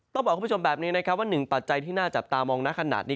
ต้องบอกคุณผู้ชมแบบนี้นะครับว่าหนึ่งปัจจัยที่น่าจับตามองนะขนาดนี้